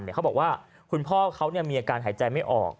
เขาบอกว่าคุณพ่อเขามีอาการหายใจไม่ออก